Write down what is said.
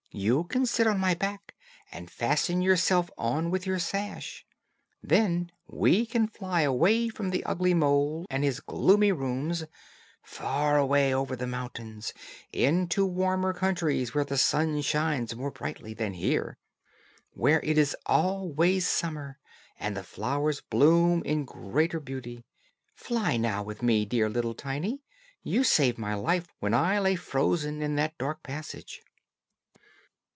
You can sit on my back, and fasten yourself on with your sash. Then we can fly away from the ugly mole and his gloomy rooms, far away, over the mountains, into warmer countries, where the sun shines more brightly than here; where it is always summer, and the flowers bloom in greater beauty. Fly now with me, dear little Tiny; you saved my life when I lay frozen in that dark passage."